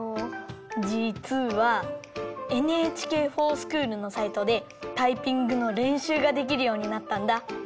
じつはＮＨＫｆｏｒＳｃｈｏｏｌのサイトでタイピングのれんしゅうができるようになったんだ。